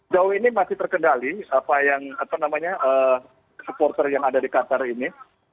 jauh ini masih terkendali apa yang supporter yang ada di qatar ini